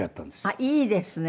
あっいいですね。